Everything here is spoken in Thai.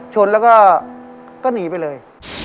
ชนแล้วก็หนีไปเลย